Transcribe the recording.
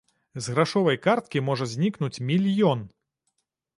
З грашовай карткі можа знікнуць мільён!